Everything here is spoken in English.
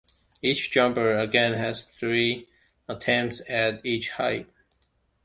Each jumper again had three attempts at each height.